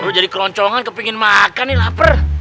lu jadi keroncongan kepengen makan nih lapar